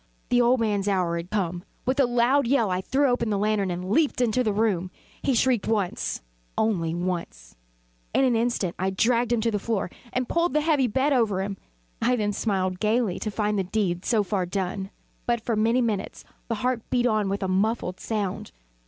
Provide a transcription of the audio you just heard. The old man's hour had come! With a loud yell, I threw open the lantern and leaped into the room. He shrieked once once only. In an instant I dragged him to the floor, and pulled the heavy bed over him. I then smiled gaily, to find the deed so far done. But, for many minutes, the heart beat on with a muffled sound.